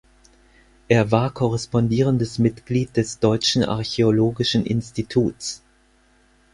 Er war korrespondierendes Mitglied des Deutschen Archäologischen Instituts.